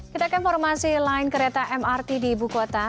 kita ke informasi lain kereta mrt di ibu kota